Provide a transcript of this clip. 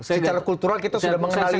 secara kultural kita sudah mengenali